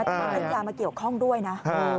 แต่มันเป็นยามาเกี่ยวข้องด้วยนะ